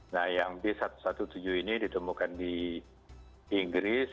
nah yang b satu ratus tujuh belas ini ditemukan di inggris